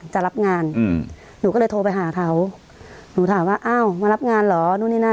จะรับงานอืมหนูก็เลยโทรไปหาเขาหนูถามว่าอ้าวมารับงานเหรอนู่นนี่นั่น